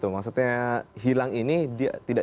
maksudnya hilang ini dia tidak